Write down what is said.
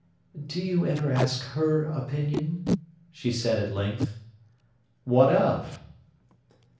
"Do you ever ask her opinion?" she said at length. "What of?"